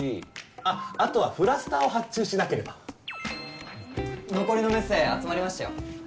あっあとはフラスタを発注しなければ残りのメッセ集まりましたよ